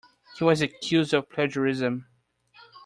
He was accused of plagiarism.